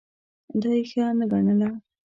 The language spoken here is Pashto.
دا یې ښه نه ګڼله.